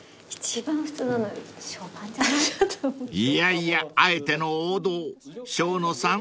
［いやいやあえての王道生野さん